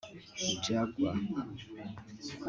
Jaguar